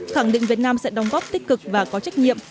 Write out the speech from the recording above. khẳng định việt nam sẽ đóng góp tích cực và có trách nhiệm